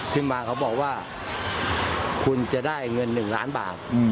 เขาบอกว่าคุณจะได้เงิน๑ล้านบาท